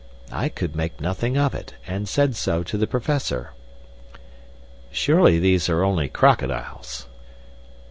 I could make nothing of it, and said so to the Professor. "Surely these are only crocodiles?"